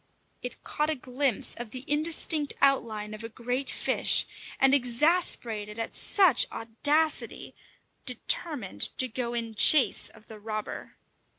It caught a glimpse of the indistinct outline of a great fish, and exasperated at such audacity, determined to go in chase of the robber.